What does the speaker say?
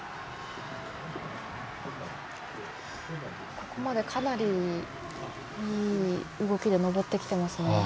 ここまで、かなりいい動きで登ってきていますね。